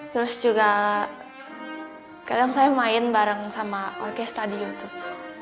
terus juga kadang saya main bareng sama orkesta di youtube